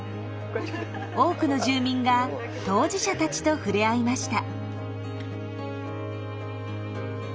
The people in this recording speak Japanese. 多くの住民が当事者たちと触れ合いました。